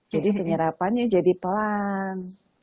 jadi penyerapannya jadi pelan